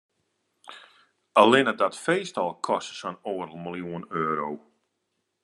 Allinne dat feest al koste sa'n oardel miljoen euro.